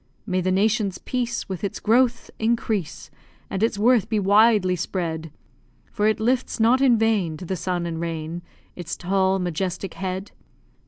May the nation's peace With its growth increase, And its worth be widely spread; For it lifts not in vain To the sun and rain Its tall, majestic head.